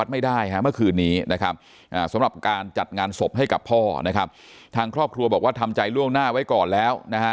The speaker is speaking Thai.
เมื่อคืนนี้นะครับสำหรับการจัดงานศพให้กับพ่อนะครับทางครอบครัวบอกว่าทำใจล่วงหน้าไว้ก่อนแล้วนะฮะ